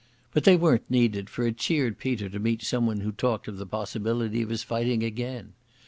But they weren't needed, for it cheered Peter to meet someone who talked of the possibility of his fighting again.